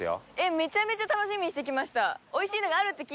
めちゃめちゃ楽しみにしてきました！